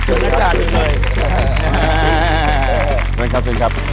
สวัสดีครับสวัสดีครับ